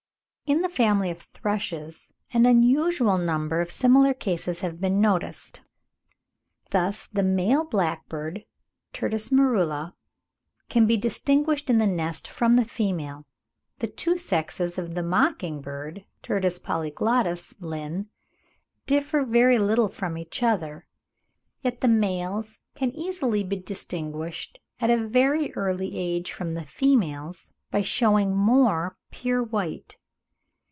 In the family of thrushes an unusual number of similar cases have been noticed; thus, the male blackbird (Turdus merula) can be distinguished in the nest from the female. The two sexes of the mocking bird (Turdus polyglottus, Linn.) differ very little from each other, yet the males can easily be distinguished at a very early age from the females by showing more pure white.